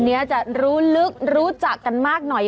นี้จะรู้ลึกรู้จักกันมากหน่อย